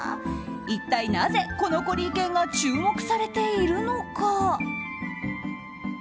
一体なぜこのコリー犬が注目されているのか。